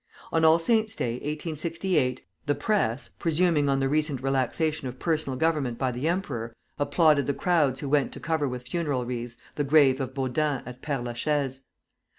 On All Saints Day, 1868, the Press, presuming on the recent relaxation of personal government by the emperor, applauded the crowds who went to cover with funeral wreaths the grave of Baudin at Père la Chaise.